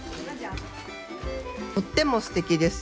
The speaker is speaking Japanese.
とってもすてきです。